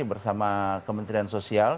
bersama kementerian sosial